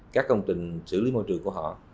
các công trình xử lý môi trường của họ